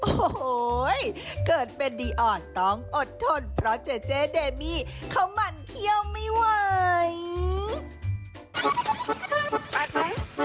โอ้โหเกิดเป็นดีอ่อนต้องอดทนเพราะเจเจเดมี่เขาหมั่นเที่ยวไม่ไหว